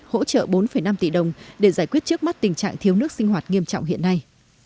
hỗ trợ bốn năm tỷ đồng để giải quyết trước mắt tình trạng thiếu nước sinh hoạt nghiêm trọng hiện nay